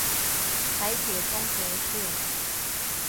台鐵中和線